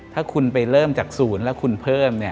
ถ้าคุณไปเริ่มจากศูนย์แล้วคุณเพิ่มเนี่ย